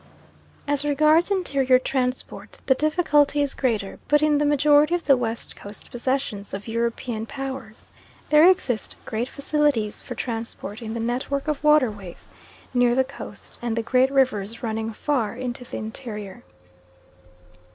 As regards interior transport, the difficulty is greater, but in the majority of the West Coast possessions of European powers there exist great facilities for transport in the network of waterways near the coast and the great rivers running far into the interior.